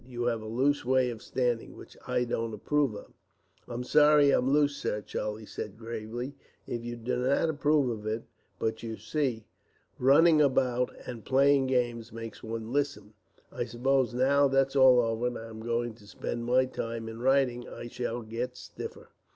You have a loose way of standing, which I don't approve of." "I'm sorry I'm loose, sir," Charlie said gravely, "if you do not approve of it; but you see, running about and playing games make one lissome. I suppose, now that's all over and I am going to spend my time in writing, I shall get stiffer."